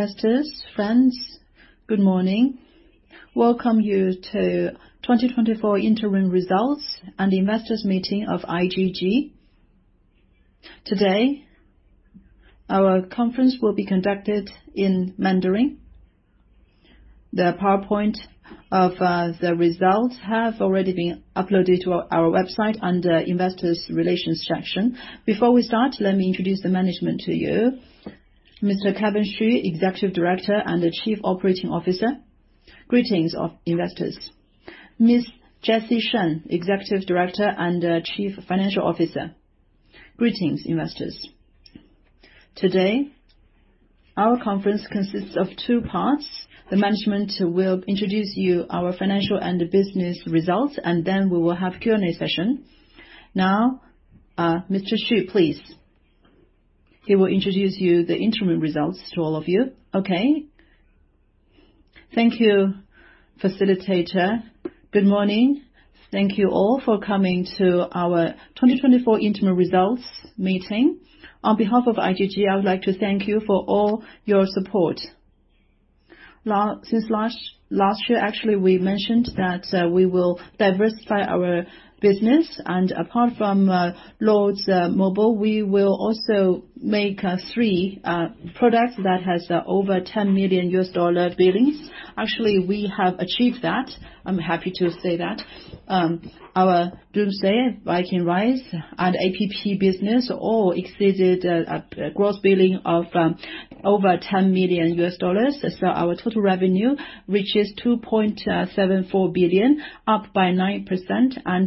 Investors, friends, good morning. Welcome you to 2024 interim results and investors meeting of IGG. Today, our conference will be conducted in Mandarin. The PowerPoint of the results have already been uploaded to our website under investor relations section. Before we start, let me introduce the management to you. Mr. Kevin Xu, Executive Director and the Chief Operating Officer. Greetings of investors. Ms. Jessie Shen, Executive Director and Chief Financial Officer. Greetings, investors. Today, our conference consists of two parts. The management will introduce you our financial and business results. Then we will have Q&A session. Mr. Xu, please. He will introduce you the interim results to all of you. Thank you, facilitator. Good morning. Thank you all for coming to our 2024 interim results meeting. On behalf of IGG, I would like to thank you for all your support. Since last year, actually, we mentioned that we will diversify our business. Apart from Lords Mobile, we will also make three products that has over HKD 10 million billings. Actually, we have achieved that. I am happy to say that. Our Doomsday, Viking Rise, and APP business all exceeded a gross billing of over HKD 10 million. Our total revenue reaches 2.74 billion, up by 9%.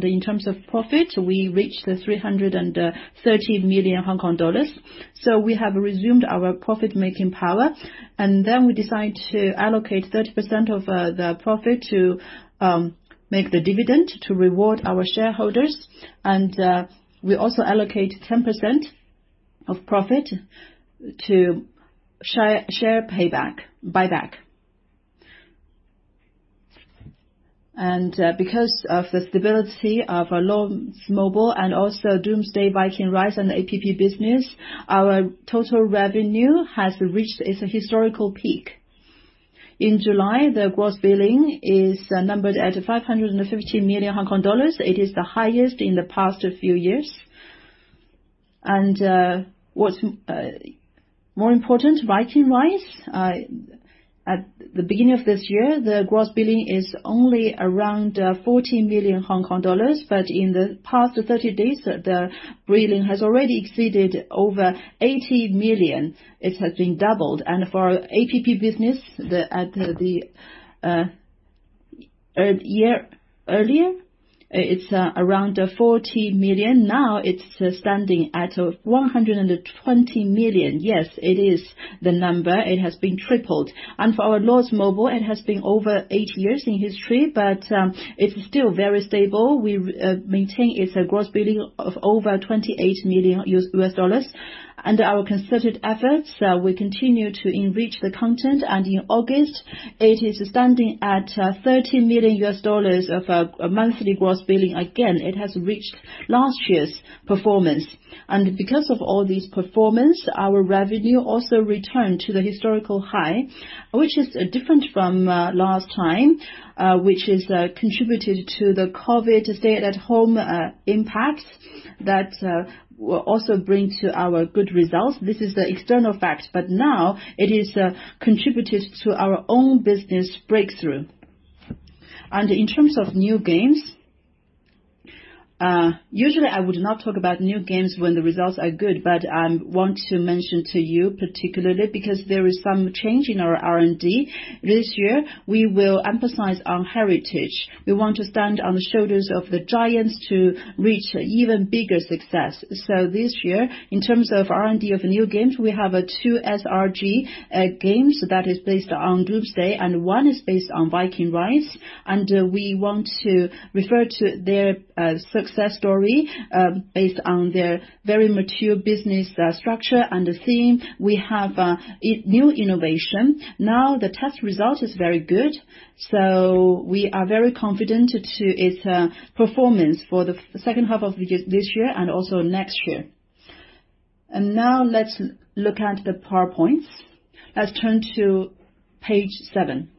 In terms of profit, we reached 330 million Hong Kong dollars. We have resumed our profit-making power. We decide to allocate 30% of the profit to make the dividend to reward our shareholders. We also allocate 10% of profit to share buyback. Because of the stability of our Lords Mobile and also Doomsday, Viking Rise, and the APP business, our total revenue has reached its historical peak. In July, the gross billing is numbered at 550 million Hong Kong dollars. It is the highest in the past few years. What is more important, Viking Rise, at the beginning of this year, the gross billing is only around 40 million Hong Kong dollars, but in the past 30 days, the billing has already exceeded over 80 million. It has been doubled. For our APP business, earlier, it is around 40 million. Now it is standing at 120 million. Yes, it is the number. It has been tripled. For our Lords Mobile, it has been over eight years in history, but it is still very stable. We maintain its gross billing of over HKD 28 million. Under our concerted efforts, we continue to enrich the content. In August, it is standing at $30 million of monthly gross billing. Again, it has reached last year's performance. Because of all these performance, our revenue also returned to the historical high, which is different from last time, which is contributed to the COVID stay-at-home impact that will also bring to our good results. This is the external fact. Now it is contributed to our own business breakthrough. In terms of new games, usually I would not talk about new games when the results are good. I want to mention to you particularly because there is some change in our R&D. This year, we will emphasize on heritage. We want to stand on the shoulders of the giants to reach even bigger success. This year, in terms of R&D of new games, we have two SLG games that is based on Doomsday, one is based on Viking Rise. We want to refer to their success story, based on their very mature business structure and the theme. We have new innovation. The test result is very good. We are very confident to its performance for the second half of this year and also next year. Let's look at the PowerPoints. Let's turn to page seven.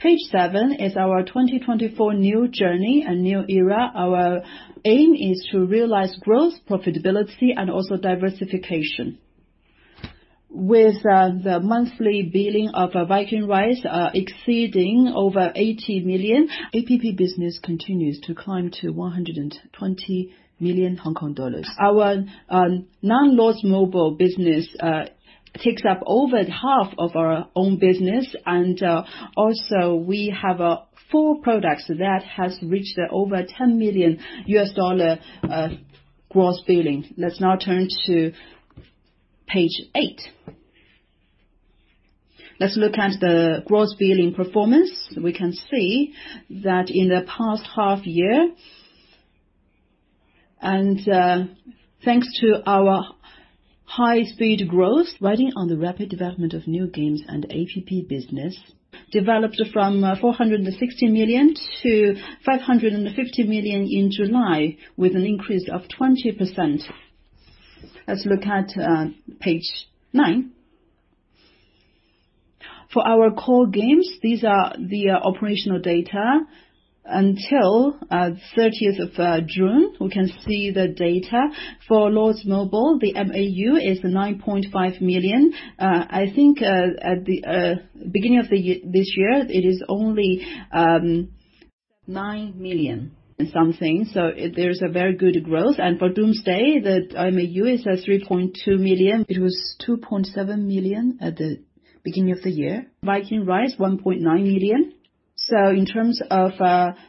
Page seven is our 2024 new journey and new era. Our aim is to realize growth, profitability, diversification. With the monthly billing of Viking Rise exceeding over 80 million, APP Business continues to climb to 120 million Hong Kong dollars. Our non-Lords Mobile business takes up over half of our own business. We have four products that has reached over 10 million gross billing. Let's now turn to page eight. Let's look at the gross billing performance. We can see that in the past half year, thanks to our high-speed growth, riding on the rapid development of new games and APP Business. Developed from 460 million to 550 million in July, with an increase of 20%. Let's look at page nine. For our core games, these are the operational data until 30th of June. We can see the data. For Lords Mobile, the MAU is 9.5 million. I think at the beginning of this year, it is only nine million and something. There is a very good growth. For Doomsday, the MAU is at 3.2 million. It was 2.7 million at the beginning of the year. Viking Rise, 1.9 million. In terms of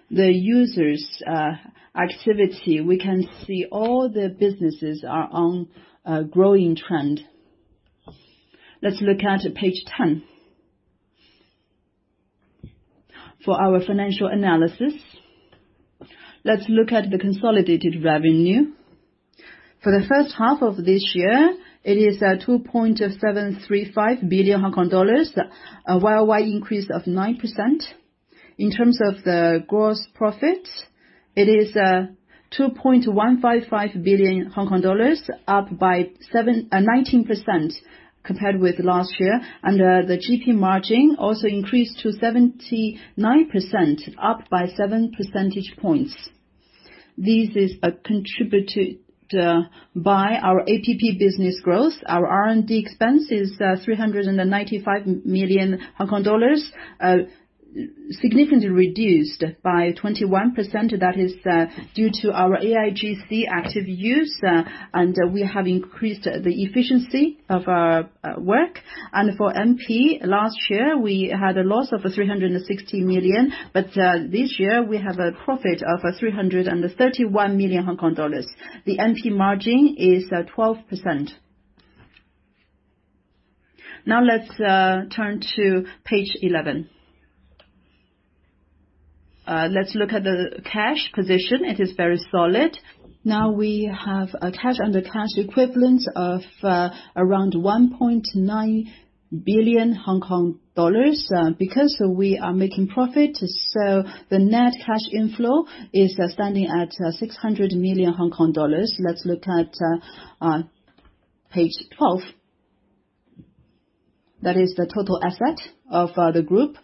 the users' activity, we can see all the businesses are on a growing trend. Let's look at page 10. For our financial analysis, let's look at the consolidated revenue. For the first half of this year, it is 2.735 billion Hong Kong dollars, a year-on-year increase of 9%. In terms of the gross profit, it is 2.155 billion Hong Kong dollars, up by 19% compared with last year. The GP margin also increased to 79%, up by seven percentage points. This is contributed by our APP Business growth. Our R&D expense is 395 million Hong Kong dollars, significantly reduced by 21%. That is due to our AIGC active use. We have increased the efficiency of our work. For NP, last year, we had a loss of 360 million. This year, we have a profit of 331 million Hong Kong dollars. The NP margin is 12%. Let's turn to page 11. Let's look at the cash position. It is very solid. We have cash and the cash equivalent of around 1.9 billion Hong Kong. Because we are making profit, the net cash inflow is standing at 600 million Hong Kong dollars. Let's look at page 12. That is the total asset of the group.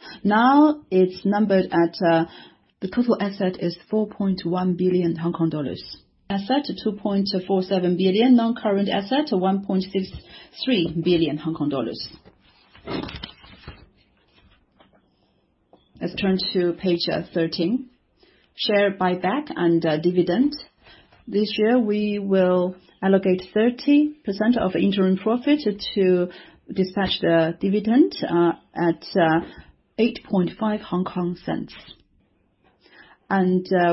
The total asset is 4.1 billion Hong Kong dollars. Asset, 2.47 billion. Non-current asset, 1.63 billion Hong Kong dollars. Let's turn to page 13, share buyback and dividend. This year, we will allocate 30% of interim profit to dispatch the dividend at 0.085.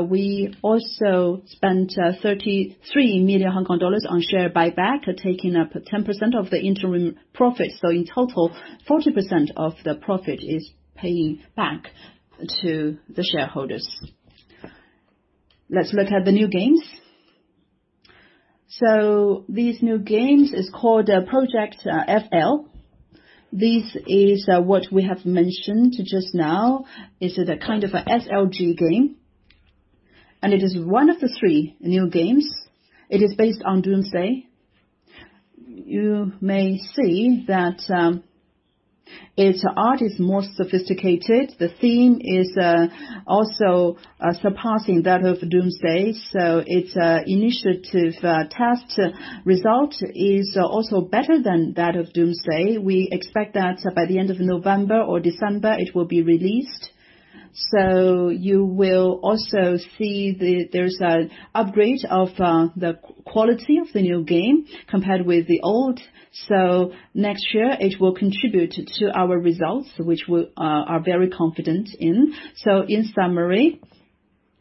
We also spent 33 million Hong Kong dollars on share buyback, taking up 10% of the interim profit. In total, 40% of the profit is paying back to the shareholders. Let's look at the new games. This new game is called Project FL. This is what we have mentioned just now, is it a kind of an SLG game. It is one of the three new games. It is based on Doomsday. You may see that its art is more sophisticated. The theme is also surpassing that of Doomsday, so its initiative test result is also better than that of Doomsday. We expect that by the end of November or December, it will be released. You will also see there's an upgrade of the quality of the new game compared with the old. Next year, it will contribute to our results, which we are very confident in. In summary,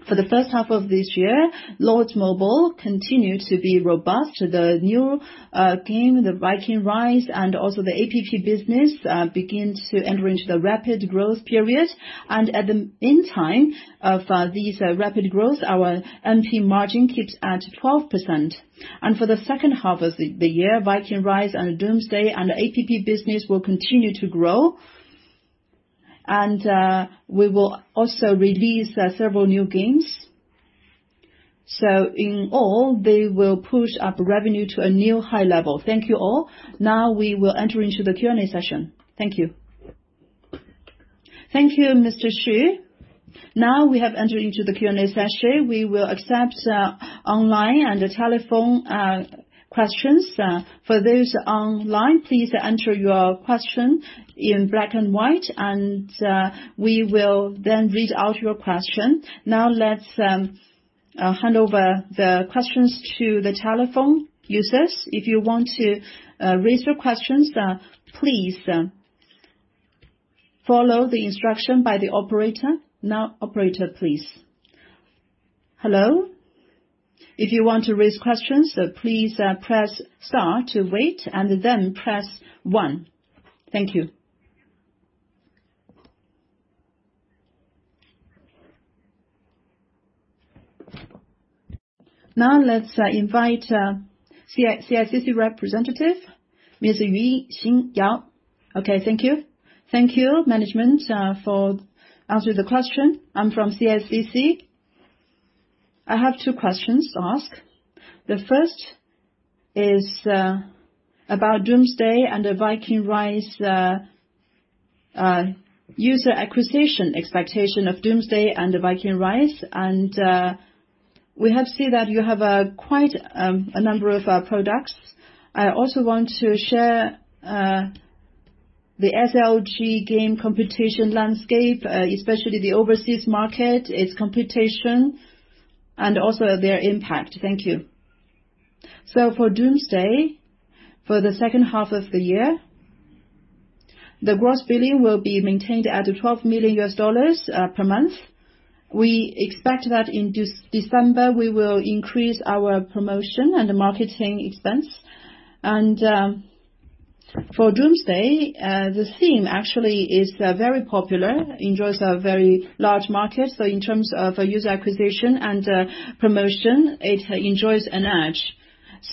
for the first half of this year, Lords Mobile continued to be robust. The new game, Viking Rise, and also the APP Business, begin to enter into the rapid growth period. At the meantime of this rapid growth, our NP margin keeps at 12%. For the second half of the year, Viking Rise and Doomsday and the APP Business will continue to grow. We will also release several new games. In all, they will push up revenue to a new high level. Thank you, all. Now we will enter into the Q&A session. Thank you. Thank you, Mr. Xu. Now we have entered into the Q&A session. We will accept online and telephone questions. For those online, please enter your question in black and white. We will then read out your question. Let's hand over the questions to the telephone users. If you want to raise your questions, please follow the instruction by the operator. Operator, please. Hello. If you want to raise questions, please press star to wait and then press one. Thank you. Let's invite CICC representative, Mr. Yu Xing Yao. Okay, thank you. Thank you, management, for answering the question. I'm from CSCC. I have two questions to ask. The first is about 'Doomsday' and the 'Viking Rise' user acquisition expectation of 'Doomsday' and the 'Viking Rise.' We have seen that you have quite a number of products. I also want to share the SLG game competition landscape, especially the overseas market, its competition, and also their impact. Thank you. For 'Doomsday,' for the second half of the year, the gross billing will be maintained at $12 million per month. We expect that in December, we will increase our promotion and marketing expense. For 'Doomsday,' the theme actually is very popular, enjoys a very large market. In terms of user acquisition and promotion, it enjoys an edge.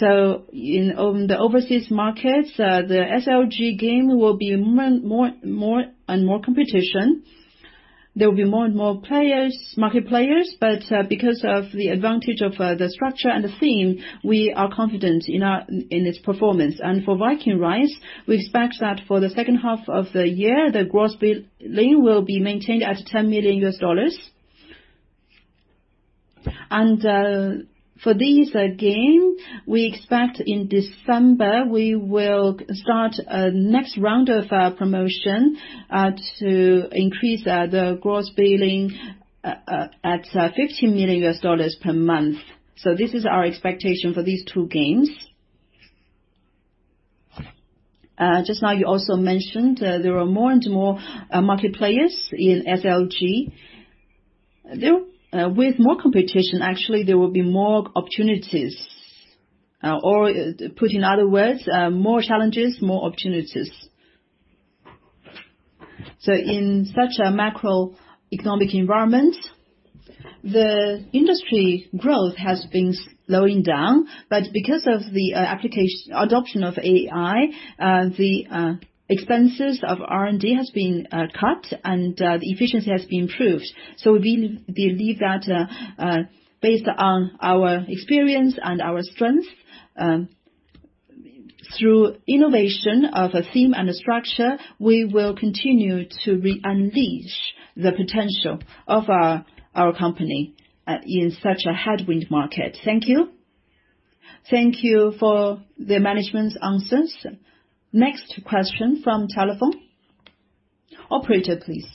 In the overseas markets, the SLG game will be more and more competition. There will be more and more market players, but because of the advantage of the structure and the theme, we are confident in its performance. For 'Viking Rise,' we expect that for the second half of the year, the gross billing will be maintained at $10 million. For this game, we expect in December we will start a next round of promotion to increase the gross billing at HKD 15 million per month. This is our expectation for these two games. Just now you also mentioned there are more and more market players in SLG. With more competition, there will be more opportunities. Or put in other words, more challenges, more opportunities. In such a macroeconomic environment, the industry growth has been slowing down, but because of the adoption of AI, the expenses of R&D has been cut and the efficiency has been improved. We believe that based on our experience and our strength, through innovation of theme and the structure, we will continue to re-unleash the potential of our company in such a headwind market. Thank you. Thank you for the management's answers. Next question from telephone. Operator, please.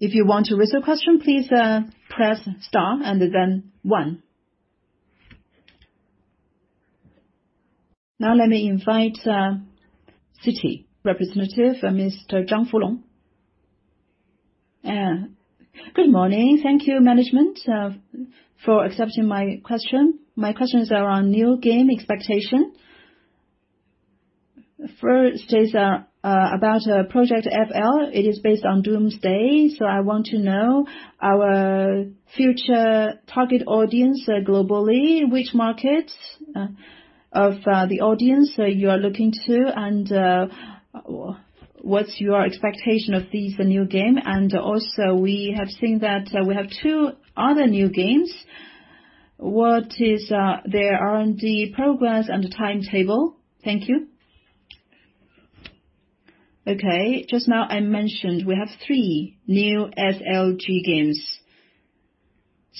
If you want to ask a question, please press star and then one. Now let me invite Citi representative Mr. Zhang Furong. Good morning. Thank you, management, for accepting my question. My questions are on new game expectation. First is about Project FL. It is based on 'Doomsday,' I want to know our future target audience globally, which markets of the audience you are looking to, and what's your expectation of this new game. We have seen that we have two other new games. What is their R&D progress and the timetable. Thank you. Okay. Just now I mentioned we have three new SLG games.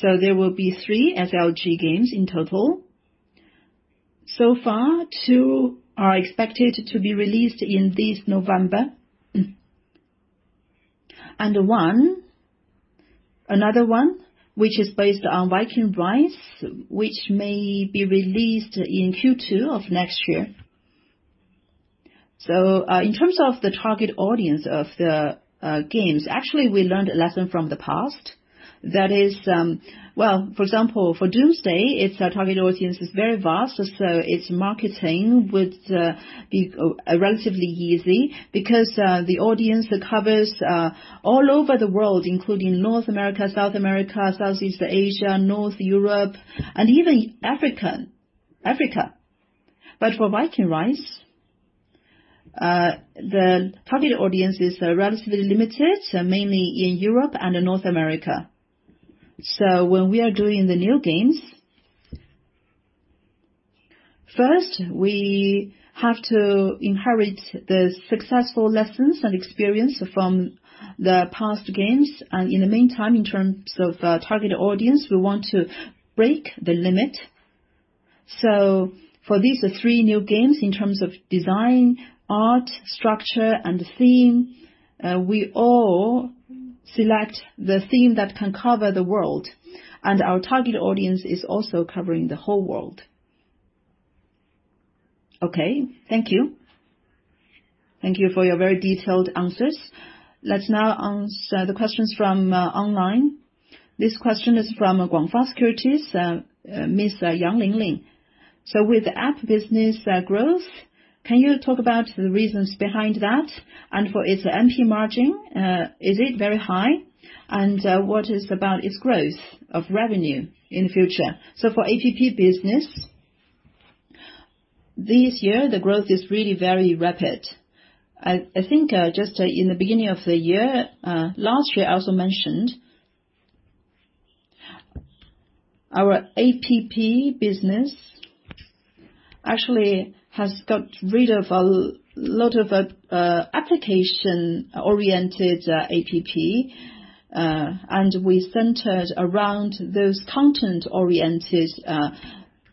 There will be three SLG games in total. Two are expected to be released in this November. Another one, which is based on 'Viking Rise,' which may be released in Q2 of next year. In terms of the target audience of the games, we learned a lesson from the past. For example, for 'Doomsday,' its target audience is very vast, its marketing would be relatively easy because the audience covers all over the world, including North America, South America, Southeast Asia, North Europe, and even Africa. For 'Viking Rise,' the target audience is relatively limited, mainly in Europe and in North America. When we are doing the new games, first, we have to inherit the successful lessons and experience from the past games. In the meantime, in terms of target audience, we want to break the limit. For these three new games, in terms of design, art, structure, and theme, we all select the theme that can cover the world, and our target audience is also covering the whole world. Okay. Thank you. Thank you for your very detailed answers. Let's now answer the questions from online. This question is from Guangfa Securities, Ms. Yang Ling Ling. With APP Business growth, can you talk about the reasons behind that. For its NP margin, is it very high. What is about its growth of revenue in future. For APP Business, this year, the growth is really very rapid. I think just in the beginning of the year, last year, I also mentioned our APP Business has got rid of a lot of application-oriented APP, and we centered around those content-oriented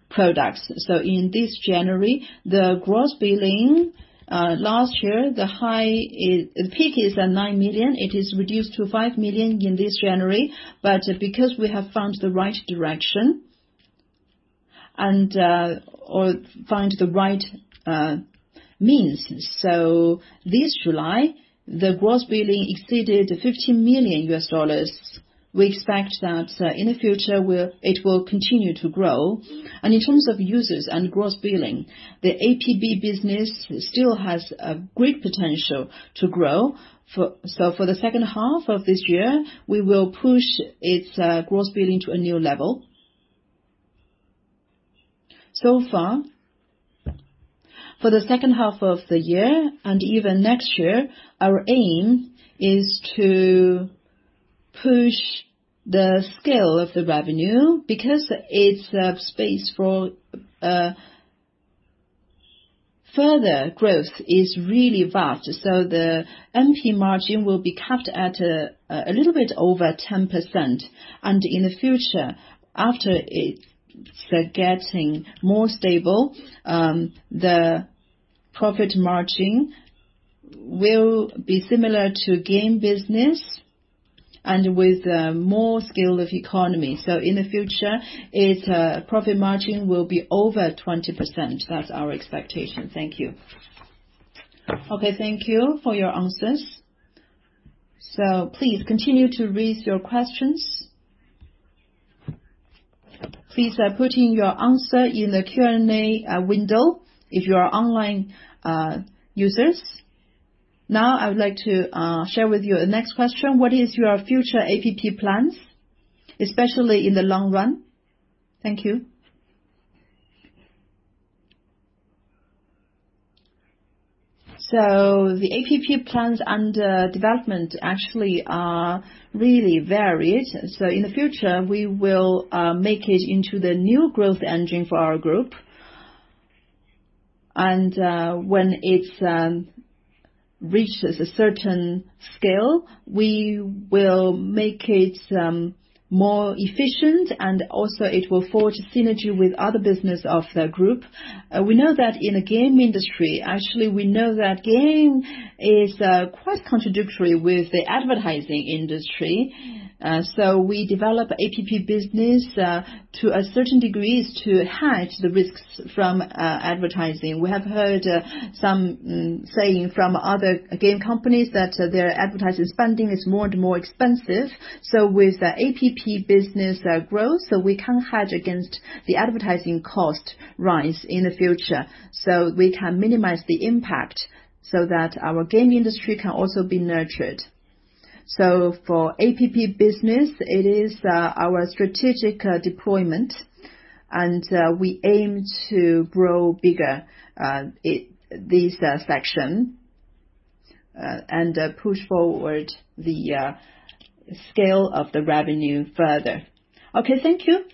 products. In this January, the gross billing last year, the peak is at $9 million. It is reduced to $5 million in this January. Because we have found the right direction, or found the right means. This July, the gross billing exceeded $15 million. We expect that in the future, it will continue to grow. In terms of users and gross billing, the APP business still has great potential to grow. For the second half of this year, we will push its gross billing to a new level. For the second half of the year and even next year, our aim is to push the scale of the revenue, because its space for further growth is really vast. The NP margin will be capped at a little bit over 10%. In the future, after it starts getting more stable, the profit margin will be similar to game business and with more scale of economy. In the future, its profit margin will be over 20%. That's our expectation. Thank you. Thank you for your answers. Please continue to raise your questions. Please put in your answer in the Q&A window if you are online users. I would like to share with you the next question. What is your future APP plans, especially in the long run? Thank you. The APP plans under development actually are really varied. In the future, we will make it into the new growth engine for our group. When it reaches a certain scale, we will make it more efficient and also it will forge synergy with other business of the group. We know that in the game industry, actually, we know that game is quite contradictory with the advertising industry. We develop APP business to a certain degree is to hedge the risks from advertising. We have heard some saying from other game companies that their advertising spending is more and more expensive. With the APP business growth, we can hedge against the advertising cost rise in the future. We can minimize the impact so that our game industry can also be nurtured. For APP business, it is our strategic deployment, we aim to grow bigger this section, and push forward the scale of the revenue further. Thank you.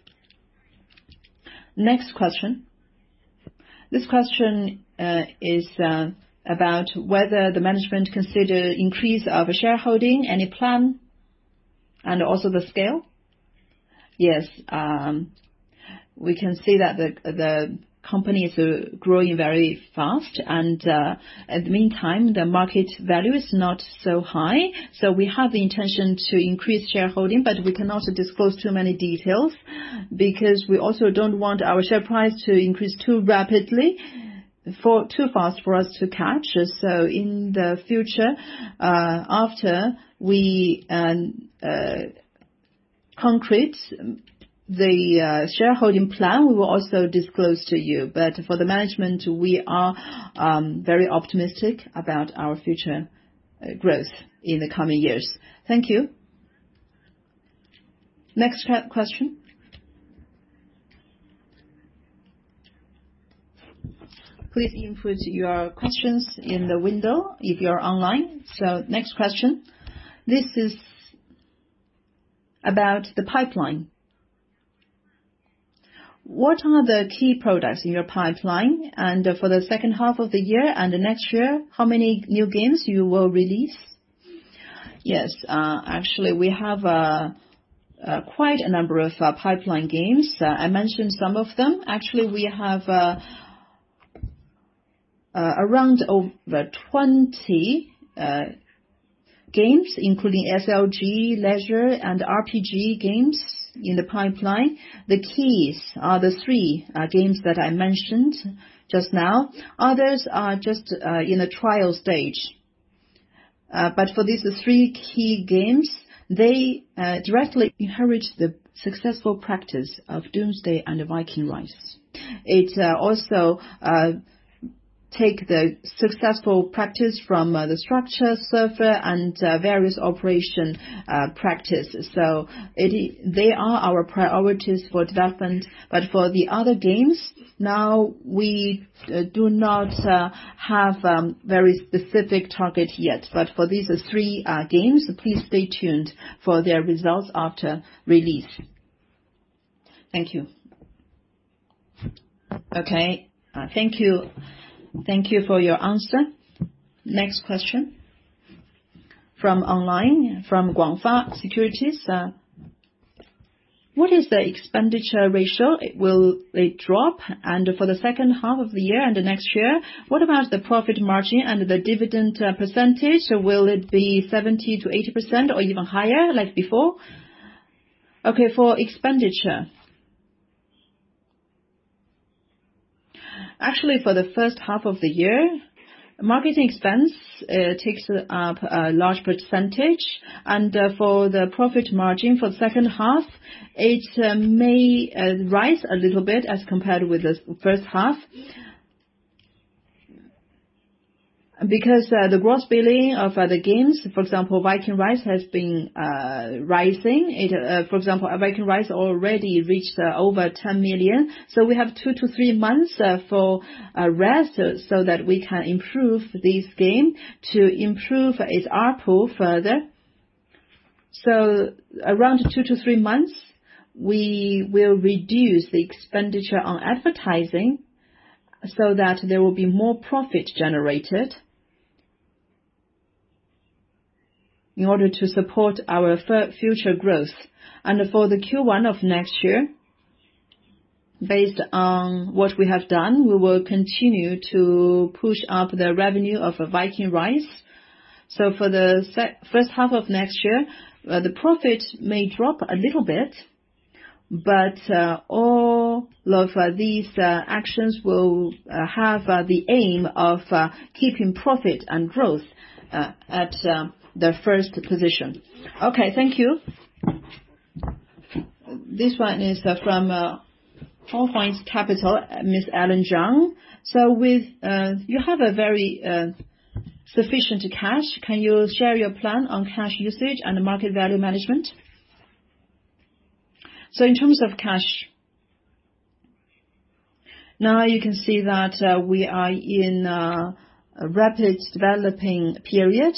Next question. This question is about whether the management consider increase of shareholding, any plan, and also the scale. Yes. We can see that the company is growing very fast, and at the meantime, the market value is not so high. We have the intention to increase shareholding, but we cannot disclose too many details because we also don't want our share price to increase too rapidly, too fast for us to catch. In the future, after we concrete the shareholding plan, we will also disclose to you. For the management, we are very optimistic about our future growth in the coming years. Thank you. Next question. Please input your questions in the window if you are online. Next question. This is about the pipeline. What are the key products in your pipeline? For the second half of the year and next year, how many new games you will release? Yes. Actually, we have quite a number of pipeline games. I mentioned some of them. Actually, we have around over 20 games, including SLG, leisure, and RPG games in the pipeline. The keys are the 3 games that I mentioned just now. Others are just in the trial stage. For these 3 key games, they directly inherit the successful practice of Doomsday: Last Survivors and Viking Rise. It also take the successful practice from the structure, server, and various operation practices. They are our priorities for development. For the other games, now we do not have very specific target yet. For these three games, please stay tuned for their results after release. Thank you. Okay. Thank you. Thank you for your answer. Next question from online, from Guangfa Securities. What is the expenditure ratio? Will it drop? For the second half of the year and the next year, what about the profit margin and the dividend percentage? Will it be 70%-80% or even higher like before? For expenditure. For the first half of the year, marketing expense takes up a large percentage, and for the profit margin for the second half, it may rise a little bit as compared with the first half. Because the gross billing of the games, for example, Viking Rise has been rising. For example, Viking Rise already reached over $10 million. We have two to three months for rest so that we can improve this game to improve its ARPU further. Around two to three months, we will reduce the expenditure on advertising so that there will be more profit generated in order to support our future growth. For the Q1 of next year, based on what we have done, we will continue to push up the revenue of Viking Rise. For the first half of next year, the profit may drop a little bit, but all of these actions will have the aim of keeping profit and growth at the first position. Okay, thank you. This one is from Four Winds Capital, Ms. Ellen Zhang. You have a very sufficient cash. Can you share your plan on cash usage and market value management? In terms of cash, now you can see that we are in a rapid developing period.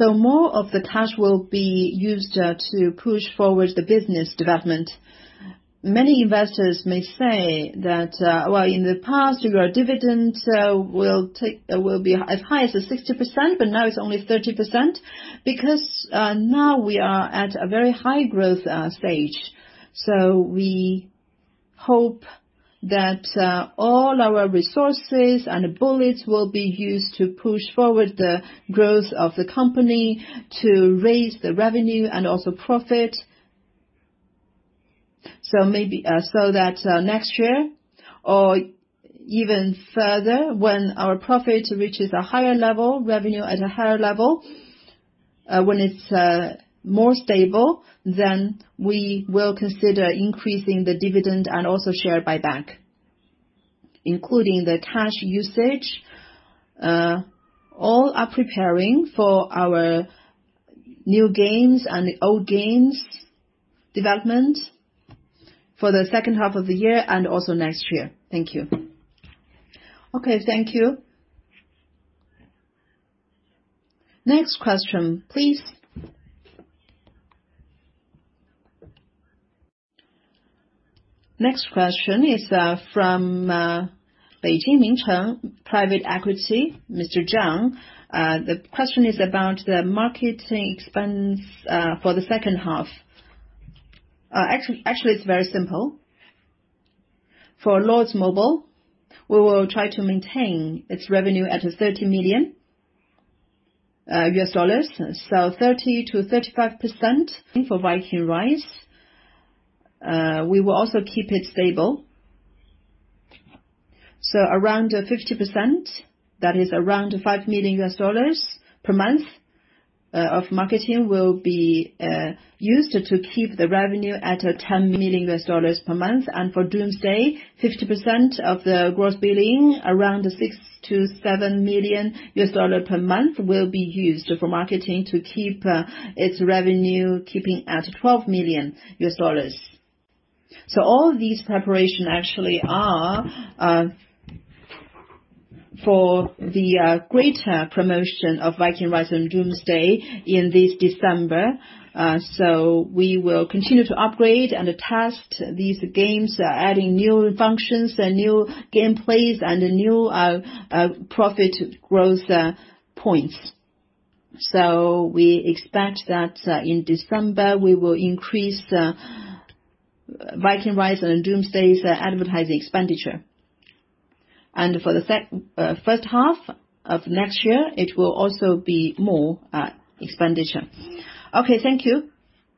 More of the cash will be used to push forward the business development. Many investors may say that, "Well, in the past, your dividend will be as high as 60%, but now it's only 30%." Now we are at a very high growth stage, we hope that all our resources and bullets will be used to push forward the growth of the company to raise the revenue and also profit. That next year or even further, when our profit reaches a higher level, revenue at a higher level, when it's more stable, then we will consider increasing the dividend and also share buyback. Including the cash usage, all are preparing for our new games and old games development for the second half of the year and also next year. Thank you. Okay, thank you. Next question, please. Next question is from Beijing Mingcheng Private Equity, Mr. Zhang. The question is about the marketing expense for the second half. It's very simple. For Lords Mobile, we will try to maintain its revenue at $30 million. 30%-35% for Viking Rise. We will also keep it stable. Around 50%, that is around $5 million per month of marketing will be used to keep the revenue at $10 million per month. For Doomsday, 50% of the gross billing, around $6 million-$7 million per month will be used for marketing to keep its revenue keeping at $12 million. All these preparation actually are for the greater promotion of Viking Rise and Doomsday in this December. We will continue to upgrade and test these games, adding new functions and new gameplays and new profit growth points. We expect that in December, we will increase Viking Rise and Doomsday: Last Survivors' advertising expenditure. For the first half of next year, it will also be more expenditure. Thank you.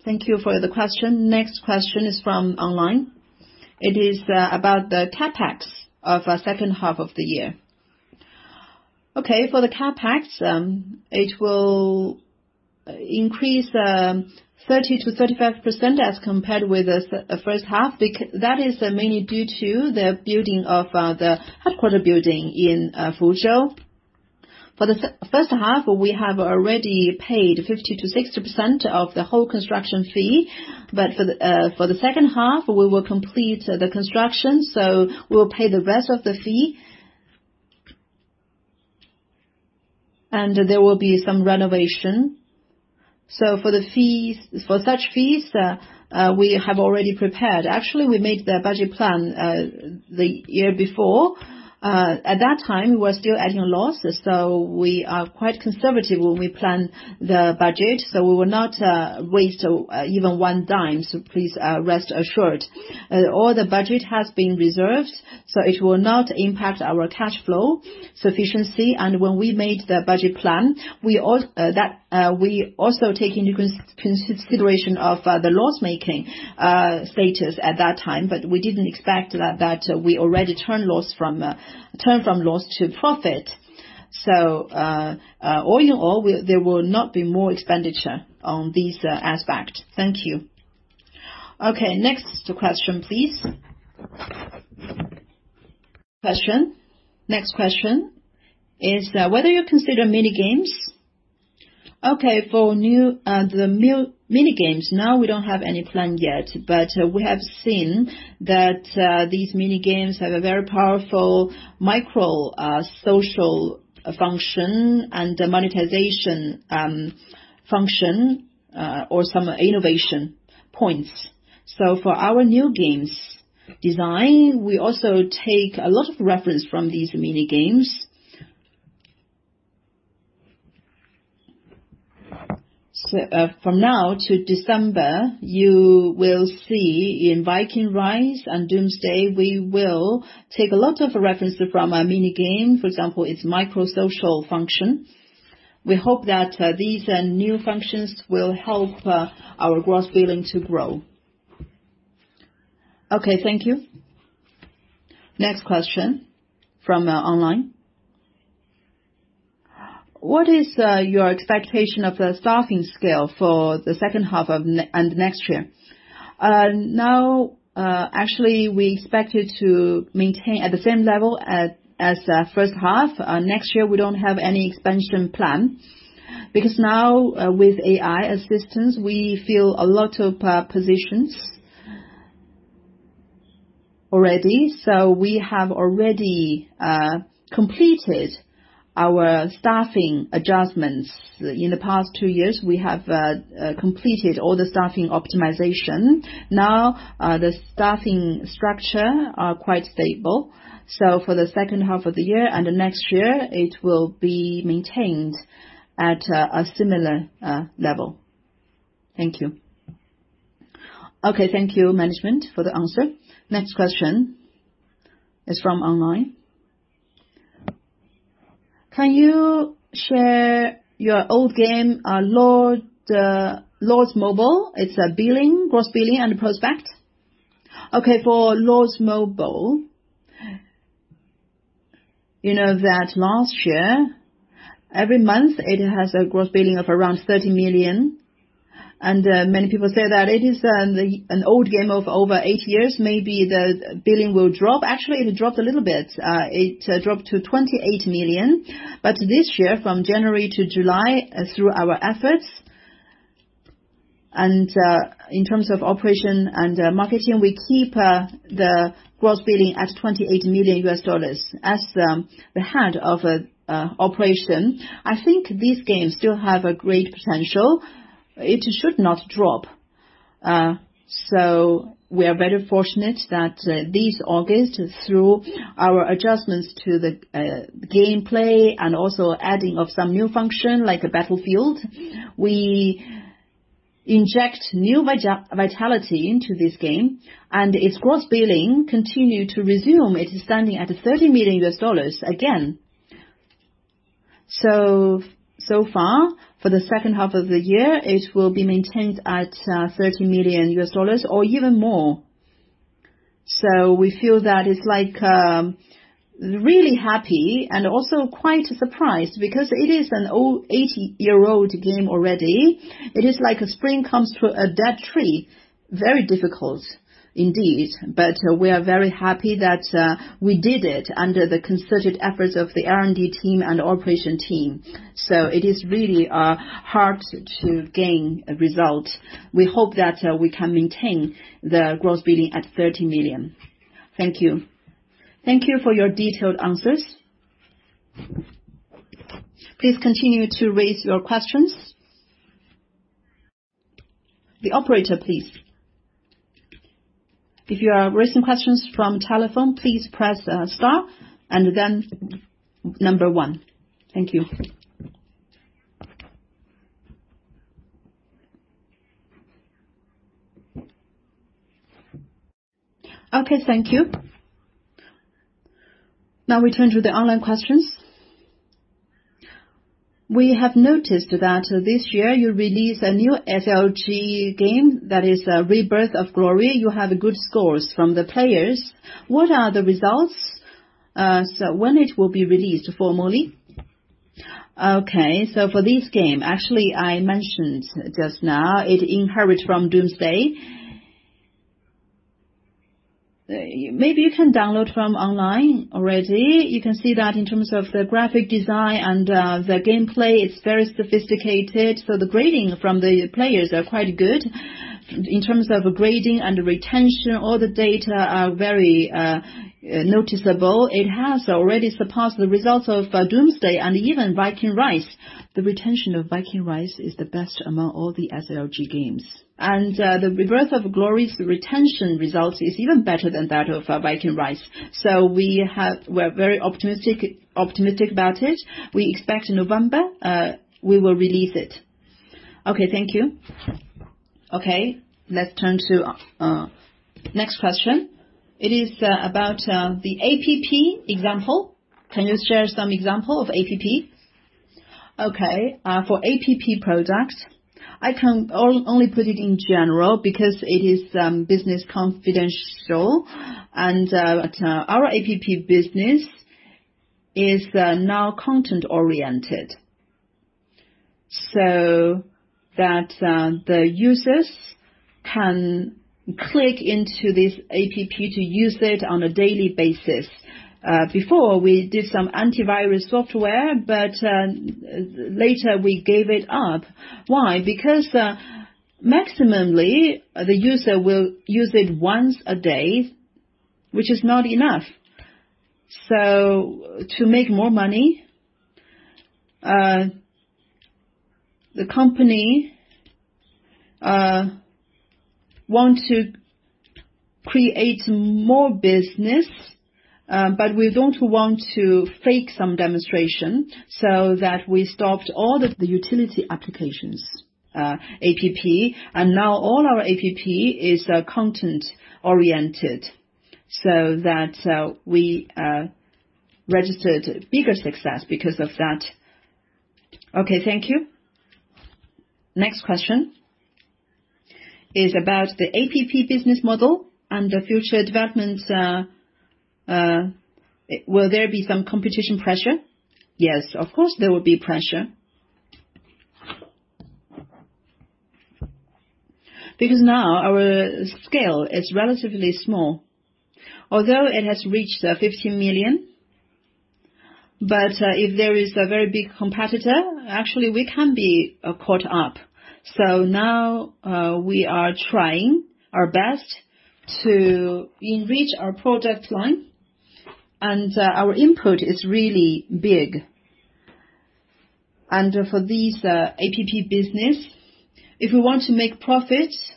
Thank you for the question. Next question is from online. It is about the CapEx of our second half of the year. For the CapEx, it will increase 30%-35% as compared with the first half. That is mainly due to the building of the headquarter building in Fuzhou. For the first half, we have already paid 50%-60% of the whole construction fee. For the second half, we will complete the construction, so we will pay the rest of the fee, and there will be some renovation. For such fees, we have already prepared. Actually, we made the budget plan the year before. At that time, we were still at a loss, we are quite conservative when we plan the budget, we will not waste even one dime. Please rest assured. All the budget has been reserved, it will not impact our cash flow sufficiency. When we made the budget plan, we also take into consideration of the loss-making status at that time, we didn't expect that we already turned from loss to profit. All in all, there will not be more expenditure on this aspect. Thank you. Next question, please. Next question is: Whether you consider mini-games? For the mini-games, now we don't have any plan yet. We have seen that these mini-games have a very powerful micro-social function and monetization function, or some innovation points. For our new games design, we also take a lot of reference from these mini-games. From now to December, you will see in Viking Rise and Doomsday: Last Survivors, we will take a lot of references from a mini-game. For example, its micro-social function. We hope that these new functions will help our gross billing to grow. Thank you. Next question from online. What is your expectation of the staffing scale for the second half and next year? Actually, we expected to maintain at the same level as first half. Next year, we don't have any expansion plan because now with AI assistance, we fill a lot of positions already, we have already completed our staffing adjustments. In the past two years, we have completed all the staffing optimization. Now the staffing structure are quite stable. For the second half of the year and the next year, it will be maintained at a similar level. Thank you. Thank you, management, for the answer. Next question is from online. Can you share your old game, Lords Mobile, its billing, gross billing, and prospect? For Lords Mobile, you know that last year, every month, it has a gross billing of around $30 million. Many people say that it is an old game of over eight years. Maybe the billing will drop. Actually, it dropped a little bit. It dropped to $28 million. This year, from January to July, through our efforts and in terms of operation and marketing, we keep the gross billing at $28 million. As the head of operation, I think this game still have a great potential. It should not drop. We are very fortunate that this August, through our adjustments to the gameplay and also adding of some new function, like a battlefield, we inject new vitality into this game, and its gross billing continues to resume. It is standing at $30 million again. So far, for the second half of the year, it will be maintained at $30 million or even more. We feel that it's really happy and also quite surprised because it is an 8-year-old game already. It is like a spring comes to a dead tree, very difficult indeed. But we are very happy that we did it under the concerted efforts of the R&D team and the operation team. It is really hard to gain results. We hope that we can maintain the gross billing at $30 million. Thank you. Thank you for your detailed answers. Please continue to raise your questions. The operator, please. If you are raising questions from telephone, please press star and then number one. Okay, thank you. Now we turn to the online questions. We have noticed that this year you released a new SLG game, that is Rebirth of Glory. You have good scores from the players. What are the results? When it will be released formally? For this game, actually, I mentioned just now, it inherits from Doomsday. Maybe you can download from online already. You can see that in terms of the graphic design and the gameplay, it's very sophisticated. The grading from the players are quite good. In terms of grading and retention, all the data are very noticeable. It has already surpassed the results of Doomsday and even Viking Rise. The retention of Viking Rise is the best among all the SLG games. The Rebirth of Glory's retention results is even better than that of Viking Rise. We're very optimistic about it. We expect November, we will release it. Thank you. Let's turn to next question. It is about the APP example. Can you share some example of APP? For APP products, I can only put it in general, because it is business confidential. Our APP business is now content-oriented, so that the users can click into this APP to use it on a daily basis. Before, we did some antivirus software, but later we gave it up. Why? Because maximumly, the user will use it once a day, which is not enough. To make more money, the company wants to create more business. We don't want to fake some demonstration, we stopped all the utility applications APP, now all our APP is content-oriented, we registered bigger success because of that. Thank you. Next question is about the APP business model and the future developments. Will there be some competition pressure? Yes, of course, there will be pressure. Now our scale is relatively small, although it has reached 50 million, but if there is a very big competitor, actually, we can be caught up. Now, we are trying our best to enrich our product line, our input is really big. For this APP business, if we want to make profits,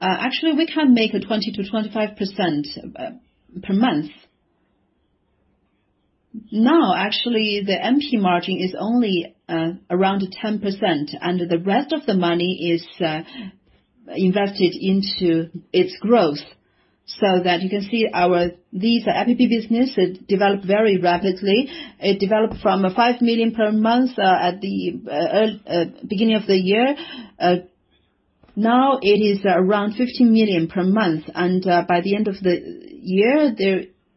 actually, we can make 20%-25% per month. Now, actually, the NP margin is only around 10%, and the rest of the money is invested into its growth. That you can see this APP Business, it developed very rapidly. It developed from 5 million per month at the beginning of the year. Now it is around 15 million per month, and by the end of the year,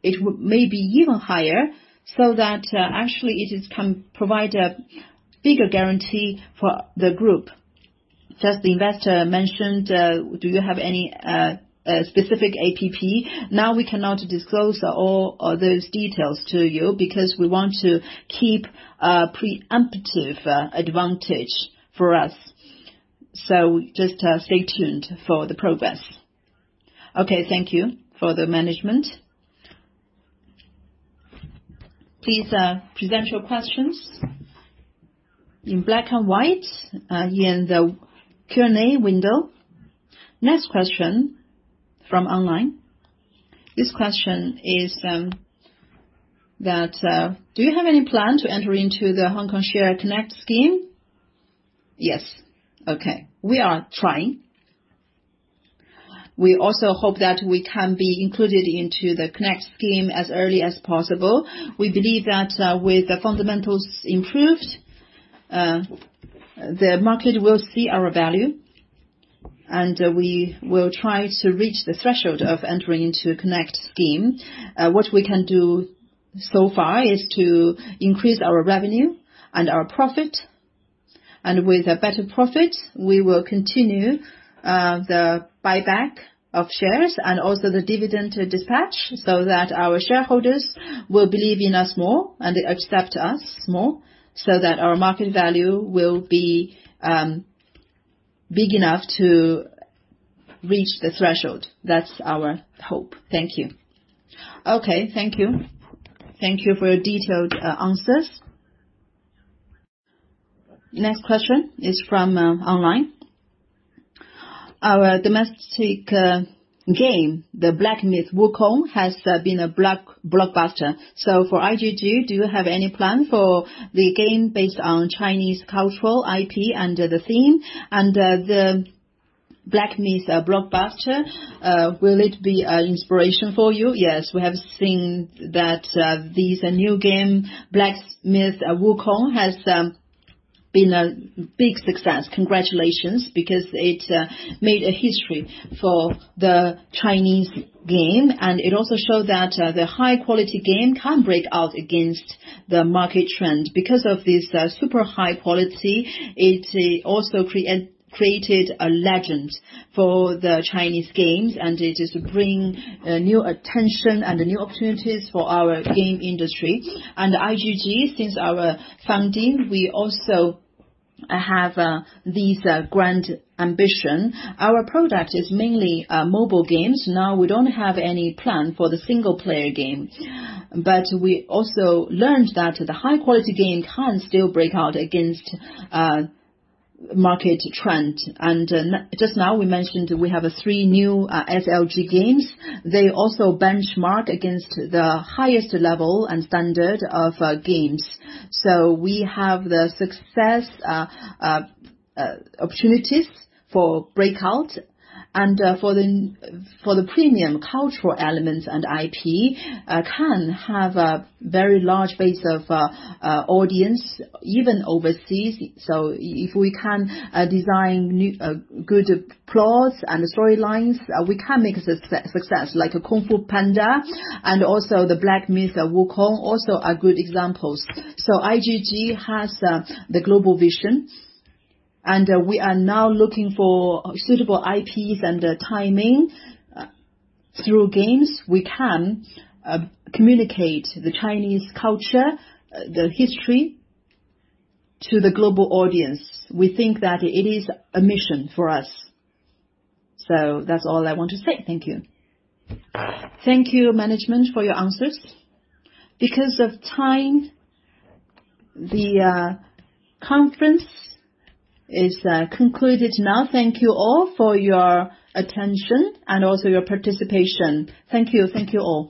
it may be even higher, that it just can provide a bigger guarantee for the group. The investor mentioned, do you have any specific APP? We cannot disclose all those details to you, because we want to keep a preemptive advantage for us. Just stay tuned for the progress. Okay, thank you for the management. Please present your questions in black and white here in the Q&A window. Next question from online. This question is that, do you have any plan to enter into the Hong Kong Stock Connect scheme? Yes. Okay. We are trying. We also hope that we can be included into the Connect scheme as early as possible. We believe that with the fundamentals improved, the market will see our value, and we will try to reach the threshold of entering into Connect scheme. What we can do so far is to increase our revenue and our profit. With a better profit, we will continue the buyback of shares and also the dividend dispatch, our shareholders will believe in us more and accept us more, our market value will be big enough to reach the threshold. That's our hope. Thank you. Okay, thank you. Thank you for your detailed answers. Next question is from online. Our domestic game, the Black Myth: Wukong, has been a blockbuster. For IGG, do you have any plan for the game based on Chinese cultural IP and the theme, Black Myth blockbuster, will it be an inspiration for you? Yes, we have seen that this new game, Black Myth: Wukong, has been a big success. Congratulations, because it made a history for the Chinese game, and it also showed that the high-quality game can break out against the market trend. Because of this super high quality, it also created a legend for the Chinese games, and it is bringing new attention and new opportunities for our game industry. IGG, since our founding, we also have this grand ambition. Our product is mainly mobile games. We don't have any plan for the single-player game. We also learned that the high-quality game can still break out against market trend. Just now, we mentioned we have 3 new SLG games. They also benchmark against the highest level and standard of games. We have the success opportunities for breakout and for the premium cultural elements and IP can have a very large base of audience, even overseas. If we can design good plots and storylines, we can make success like Kung Fu Panda and also the Black Myth: Wukong also are good examples. IGG has the global vision, and we are looking for suitable IPs and timing. Through games, we can communicate the Chinese culture, the history to the global audience. We think that it is a mission for us. That's all I want to say. Thank you. Thank you, management, for your answers. Because of time, the conference is concluded now. Thank you all for your attention and also your participation. Thank you. Thank you all.